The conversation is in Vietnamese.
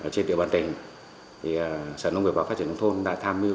trên địa bàn tỉnh sở nông nghiệp và phát triển nông thôn đã tham mưu